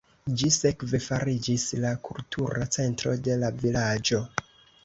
Ĝi sekve fariĝis la kultura centro de la vilaĝo.